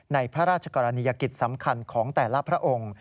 ในพระราชกรณียกิจสำคัญของแต่ละพระองค์